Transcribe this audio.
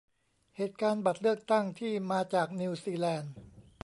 เหตุการณ์บัตรเลือกตั้งที่มาจากนิวซีแลนต์